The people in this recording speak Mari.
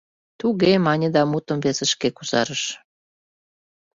— Туге, — мане да мутым весышке кусарыш.